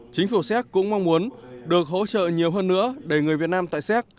chính phủ xéc cũng mong muốn được hỗ trợ nhiều hơn nữa để người việt nam tại xéc